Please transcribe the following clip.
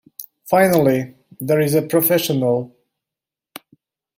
Finally, there is a Professional!